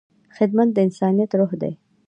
خدمت د انسانیت روح دی.